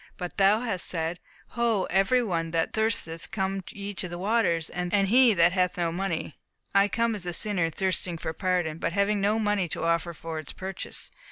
But thou hast said, 'Ho, every one that thirsteth, come ye to the waters; and he that hath no money.' I come as a sinner, thirsting for pardon, but having no money to offer for its purchase.